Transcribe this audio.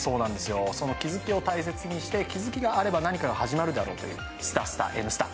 その気付きを大切にして気づきがあれば何かか始まるだろうということですたすた「Ｎスタ」。